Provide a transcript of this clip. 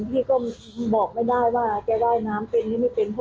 พี่ก็บอกไม่ได้ว่าจะว่ายน้ำเป็นหรือไม่เป็น